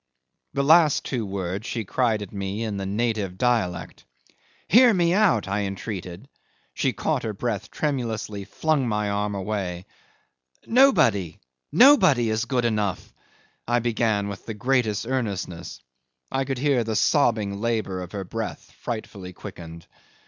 'The last two words she cried at me in the native dialect. "Hear me out!" I entreated; she caught her breath tremulously, flung my arm away. "Nobody, nobody is good enough," I began with the greatest earnestness. I could hear the sobbing labour of her breath frightfully quickened.